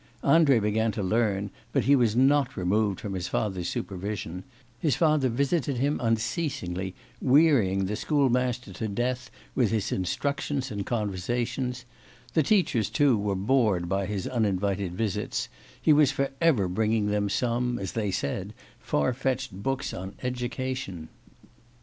Andrei began to learn, but he was not removed from his father's supervision; his father visited him unceasingly, wearying the schoolmaster to death with his instructions and conversation; the teachers, too, were bored by his uninvited visits; he was for ever bringing them some, as they said, far fetched books on education.